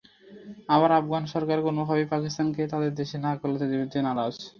আবার আফগান সরকার কোনোভাবেই পাকিস্তানকে তাদের দেশে নাক গলাতে দিতে নারাজ।